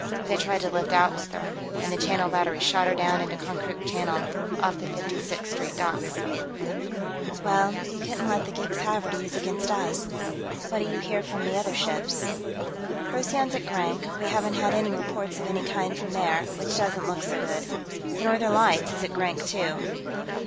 They tried to lift out with her, and the Channel Battery shot her down into Konkrook Channel, off the Fifty Sixth Street docks." "Well, you couldn't let the geeks have her, to use against us. What do you hear from the other ships?" "Procyon's at Grank; we haven't had any reports of any kind from there, which doesn't look so good. The Northern Lights is at Grank, too.